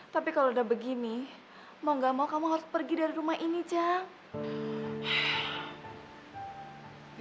tapi kalau udah begini mau gak mau kamu harus pergi dari rumah ini cak